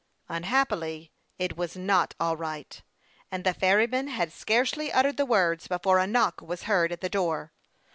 Unhappily, it was not all right ; and the ferryman had scarcely uttered the words before a knock was heard at the door.